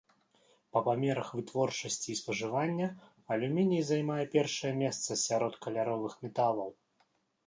Па памерах вытворчасці і спажывання алюміній займае першае месца сярод каляровых металаў.